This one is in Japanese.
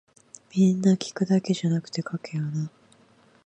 皆聞くだけじゃなくて書けよな